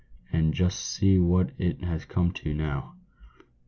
And just see what it has come to, now.